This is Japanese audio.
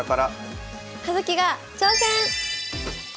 「葉月が挑戦！」。